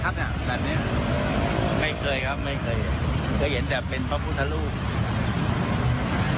แบบนี้ไม่เคยครับไม่เคยเคยเห็นแต่เป็นพระพุทธรูป